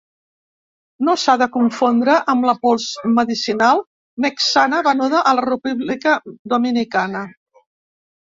No s'ha de confondre amb la pols medicinal "Mexana", venuda a la República Dominicana.